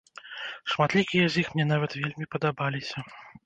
Шматлікія з іх мне нават вельмі падабаліся.